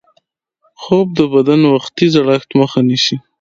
خوب د بدن وختي زړښت مخه نیسي